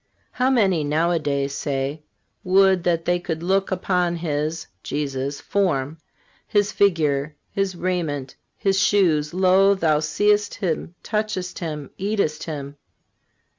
How many nowadays say: 'Would that they could look upon His (Jesus') form, His figure, His raiment, His shoes. Lo! thou seest Him, touchest Him, eatest Him.